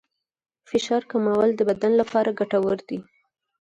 فشار کمول د بدن لپاره ګټور دي.